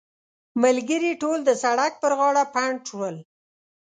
ملګري ټول د سړک پر غاړه پنډ شول.